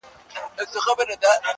ورسره به وي ټولۍ د شیطانانو؛